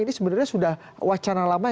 ini sebenarnya sudah wacana lama